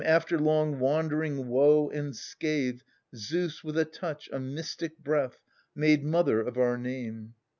After long wandering, woe, and scathe, Zeus with a touch, a mystic breath, Made mother of our name.